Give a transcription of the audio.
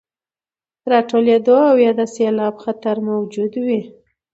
راټولېدو او يا د سيلاب خطر موجود وي،